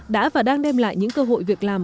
đã và đang đem lại những cơ hội việc làm